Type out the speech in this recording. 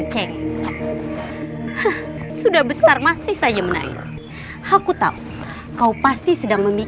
cahkan sumikura kageo